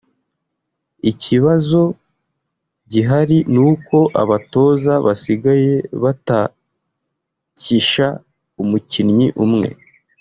ikibazo gihari nuko abatoza basigaye batakisha umukinnyi umwe